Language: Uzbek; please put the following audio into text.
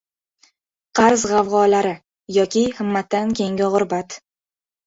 Qarz g‘avg‘olari. Yoki himmatdan keyingi g‘urbat